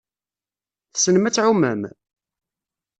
Tessnem ad tɛummem?